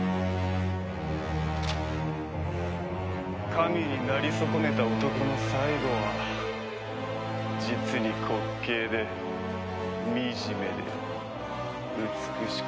神になり損ねた男の最後は実に滑稽で惨めで美しかったですよ。